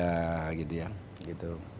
dengan tugas saya gitu ya